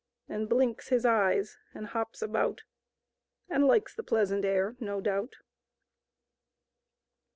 And blinks his£of€s , and hops about , Andlikes the pleasant ^/r, no doubt.